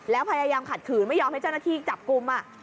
แล้วพยายามขัดขืนไม่ยอมให้เจ้าหน้าที่จับกลุ่ม